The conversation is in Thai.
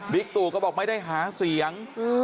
บิ๊กตุก็บอกไม่ได้หาเสียง